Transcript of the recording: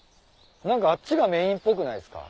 何かあっちがメインっぽくないっすか？